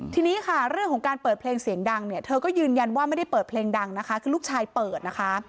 ทีนี้ค่ะเรื่องของการเปิดเพลงเสียงดังเนี่ยเธอก็ยืนยันว่าไม่ได้เปิดเพลงดังนะคะคือลูกชายเปิดนะคะ